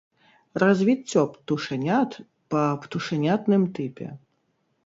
Развіццё птушанят па птушанятным тыпе.